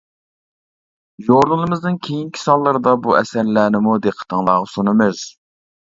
ژۇرنىلىمىزنىڭ كېيىنكى سانلىرىدا بۇ ئەسەرلەرنىمۇ دىققىتىڭلارغا سۇنىمىز.